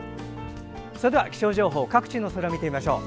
それでは、気象情報各地の空を見てみましょう。